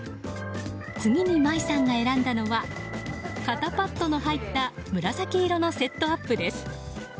次に舞さんが選んだのは肩パットの入った紫色のセットアップです。